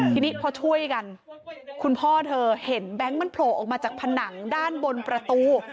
ทีนี้พอช่วยกันคุณพ่อเธอเห็นแบงค์มันโผล่ออกมาจากผนังด้านบนประตู